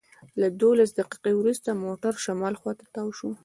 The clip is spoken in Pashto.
لس دولس دقیقې وروسته موټر شمال خواته تاو شو.